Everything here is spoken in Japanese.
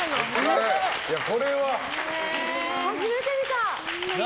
初めて見た。